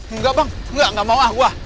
enggak bang enggak mau ah gue